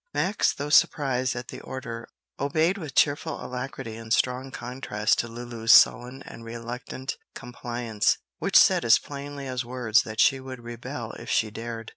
Max, though surprised at the order, obeyed with cheerful alacrity in strong contrast to Lulu's sullen and reluctant compliance, which said as plainly as words that she would rebel if she dared.